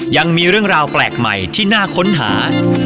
ยังมีเรื่องราวแปลกใหม่ที่น่าค้นหา